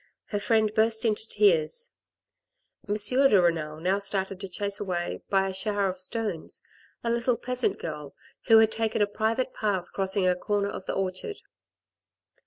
Her friend burst into tears. M. de Renal now started to chase away by a shower of stones a little peasant girl who had taken a private path crossing a corner of the orchard.